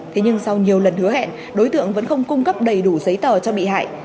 thế nhưng sau nhiều lần hứa hẹn đối tượng vẫn không cung cấp đầy đủ giấy tờ cho bị hại